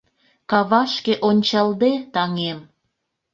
Кавашке ончалде, таҥем